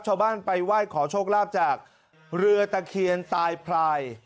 ชาวบ้านไปไหว้ขอโชคลาภจากเรือตะเคียนตายพราย